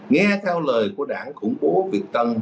nghe theo lời của đảng khủng bố việt tân